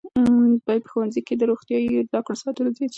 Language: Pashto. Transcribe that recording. باید په ښوونځیو کې د روغتیايي زده کړو ساعتونه زیات شي.